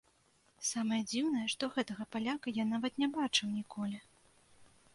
Самае дзіўнае, што гэтага паляка я нават не бачыў ніколі.